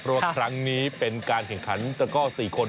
เพราะว่าครั้งนี้เป็นการแข่งขันตะก้อ๔คน